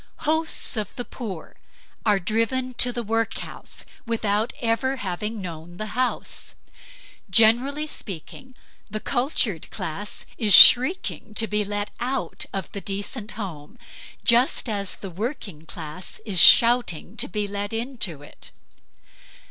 Hosts of the poor are driven to the workhouse without ever having known the house. Generally speaking, the cultured class is shrieking to be let out of the decent home, just as the working class is shouting to be let into it.